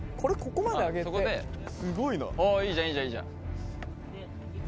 いいじゃん、いいじゃん。